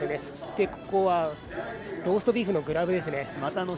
そしてローストビーフのグラブ。